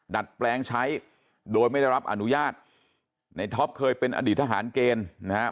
ดัดแปลงใช้โดยไม่ได้รับอนุญาตในท็อปเคยเป็นอดีตทหารเกณฑ์นะฮะ